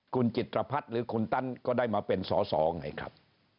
คุณจิตรพัฒน์หรือคุณตันก็ได้มาเป็นสอสอไงครับ